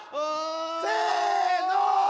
せの。